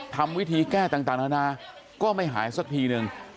ทำวิธีแก้ต่างนานาก็ไม่หายสักทีนึง